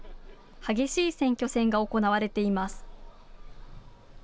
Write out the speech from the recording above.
激しい選挙戦が行われています。